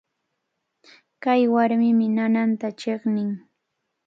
Kay warmimi nananta chiqnin.